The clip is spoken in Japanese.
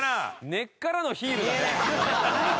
根っからのヒールだね。